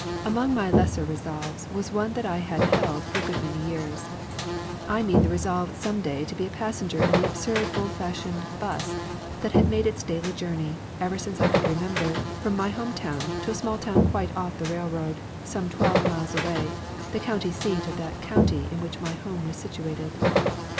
Among my lesser resolves was one that I had held for a good many years: I mean the resolve some day to be a passenger in the absurd old fashioned 'bus that had made its daily journey, ever since I could remember, from my home town to a small town quite off the railroad, and some twelve miles away, the county seat of that county in which my home was situated.